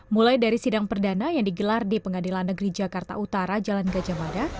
mulai dari sidang perdana yang digelar di pengadilan negeri jakarta utara jalan gajah mada